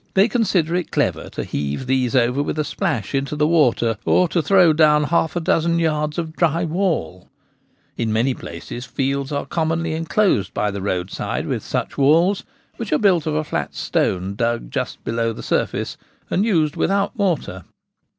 They consider it clever to heave these over with a splash into the water, or to throw down half a dozen yards of 'dry wall/ In many places fields are commonly enclosed by the roadside with such walls, which are built of a flat stone dug just beneath the surface, and used without mortar.